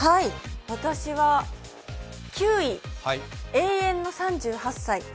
私は９位、永遠の３８歳。